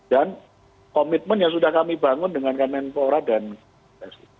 dan komitmen yang sudah kami bangun dengan kemenpora dan pssi